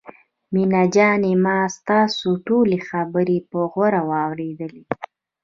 مينه جانې ما ستاسو ټولې خبرې په غور واورېدلې.